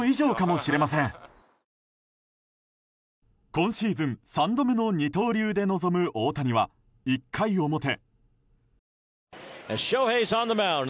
今シーズン３度目の二刀流で臨む大谷は、１回表。